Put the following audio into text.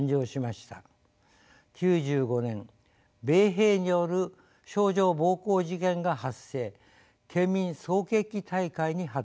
９５年米兵による少女暴行事件が発生県民総決起大会に発展しました。